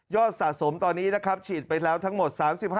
ยอดสะสมตอนนี้ฉีดไปแล้วทั้งหมด